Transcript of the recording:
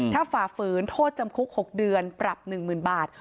ถ้าฝ่าฝืนโทษจำคุก๖เดือนปรับ๑๐๐๐บาท